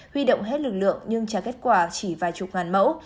huy động hết lực lượng nhưng trả kết quả chỉ vài chục ngàn mẫu